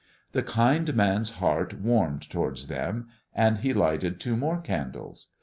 The kind man's heart warmed towards them, and he lighted two more candles.